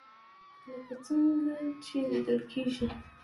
لکه څنګه چې ليدل کېږي